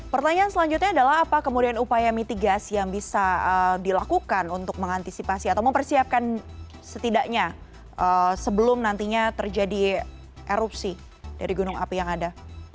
pertanyaan selanjutnya adalah apa kemudian upaya mitigasi yang bisa dilakukan untuk mengantisipasi atau mempersiapkan setidaknya sebelum nantinya terjadi erupsi dari gunung api yang ada